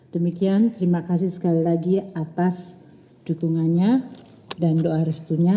demikian terima kasih sekali lagi atas dukungannya dan doa restunya